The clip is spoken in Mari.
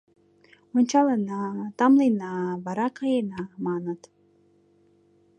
«Ончалына, тамлена, вара каена», — маныт.